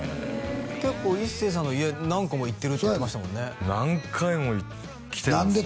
結構一生さんの家何個も行ってるって言ってましたもんね何回も来てますね